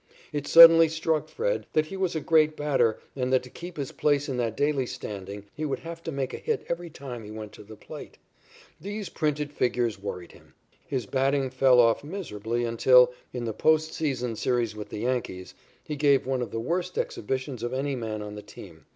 It suddenly struck Fred that he was a great batter and that to keep his place in that daily standing he would have to make a hit every time he went to the plate. These printed figures worried him. His batting fell off miserably until, in the post season series with the Yankees, he gave one of the worst exhibitions of any man on the team.